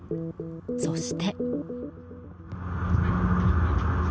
そして。